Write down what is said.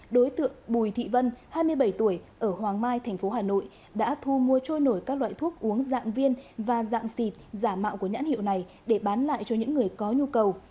đối tượng bùi thị vân hai mươi bảy tuổi ở hoàng mai tp hà nội đã thu mua trôi nổi các loại thuốc uống dạng viên và dạng xịt giả mạo của nhãn hiệu này để bán lại cho những người có nhu cầu